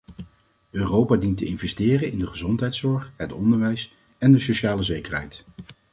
Europa dient te investeren in de gezondheidszorg, het onderwijs en de sociale zekerheid.